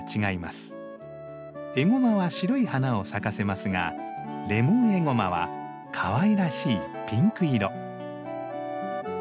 エゴマは白い花を咲かせますがレモンエゴマはかわいらしいピンク色。